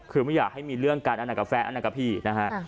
คือไม่อยากให้มีเรื่องการอนากาแฟอันนั้นกับพี่นะฮะ